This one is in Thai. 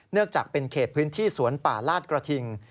จากเป็นเขตพื้นที่สวนป่าลาดกระทิง